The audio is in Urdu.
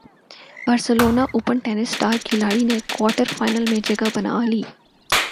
بارسلونا اوپن ٹینس اسٹار کھلاڑی نے کوارٹر فائنل میں جگہ بنا لی